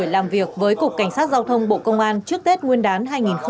làm việc với cục cảnh sát giao thông bộ công an trước tết nguyên đán hai nghìn hai mươi bốn